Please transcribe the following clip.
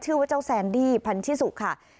ชื่อว่าเจ้าแซนดี้พันธิสุค่ะ